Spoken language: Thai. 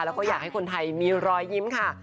แล้วก็อยากให้คนไทยมีรอยยิ้มค่ะ